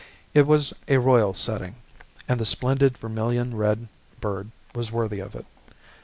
It was a royal setting, and the splendid vermilion red bird was worthy of it.